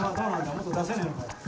もっと出せねえのかよ。